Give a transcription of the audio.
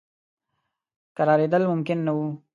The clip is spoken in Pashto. کرارېدل ممکن نه وه.